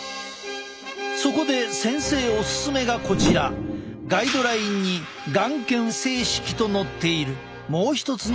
そこで先生オススメがこちらガイドラインに眼瞼清拭と載っているもう一つの方法。